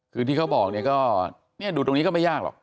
คือที่เขาบอกเนี่ยก็ดูตรงนี้ก็ไม่ยากหรอก